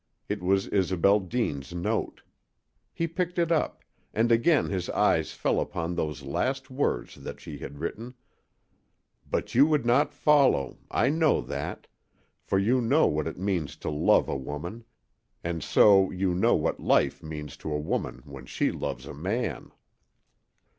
It was Isobel Deane's note. He picked it up, and again his eyes fell upon those last words that she had written: But you would not follow. I know that. For you know what it means to love a woman, and so you know what life means to a woman when she loves a man.